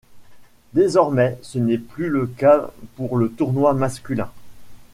Désormais ce n'est plus le cas pour le tournoi masculin.